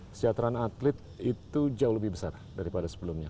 kesejahteraan atlet itu jauh lebih besar daripada sebelumnya